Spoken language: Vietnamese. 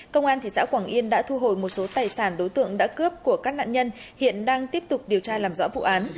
công an thị xã quảng yên đã thu hồi một số tài sản đối tượng đã cướp của các nạn nhân hiện đang tiếp tục điều tra làm rõ vụ án